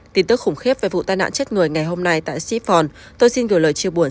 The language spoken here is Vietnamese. tin tức khủng khiếp về vụ tai nạn chết người ngày hôm nay tại sĩforn tôi xin gửi lời chia buồn